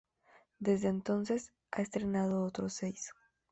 Desde entonces, a estrenado otros seis.